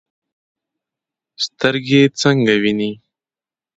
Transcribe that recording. سترګې څنګه ویني؟